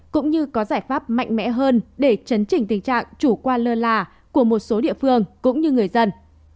cũng như có giải pháp mạnh mẽ hơn để chấn chỉnh tình trạng chủ quan lơ là của một số địa phương cũng như người dân